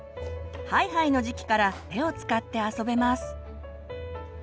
ハイハイの時期から手を使って遊べます。